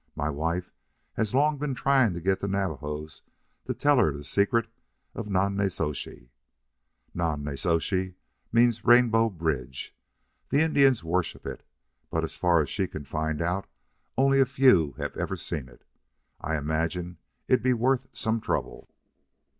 My wife has long been trying to get the Navajos to tell her the secret of Nonnezoshe. Nonnezoshe means Rainbow Bridge. The Indians worship it, but as far as she can find out only a few have ever seen it. I imagine it'd be worth some trouble."